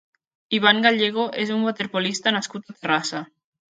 Iván Gallego és un waterpolista nascut a Terrassa.